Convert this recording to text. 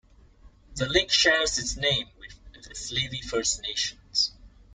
The lake shares its name with the Slavey First Nations.